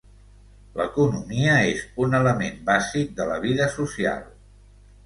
L'economia és un element bàsic de la vida social.